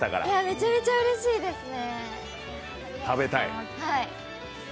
めちゃめちゃうれしいですね。